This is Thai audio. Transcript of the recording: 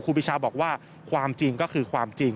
ปีชาบอกว่าความจริงก็คือความจริง